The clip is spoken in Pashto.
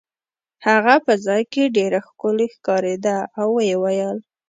هغه په ځای کې ډېره ښکلې ښکارېده او ویې ویل.